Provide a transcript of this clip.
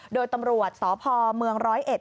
โดยตำรวจสพเมืองร้อยเอ็ด